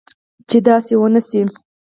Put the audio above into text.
چې داسي و نه شي